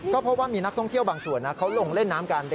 ก็พบว่ามีนักท่องเที่ยวบางส่วนเขาลงเล่นน้ำกัน